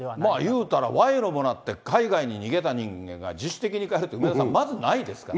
いうたら賄賂もらって海外に逃げた人間が自主的に帰るって、梅沢さん、まずないですからね。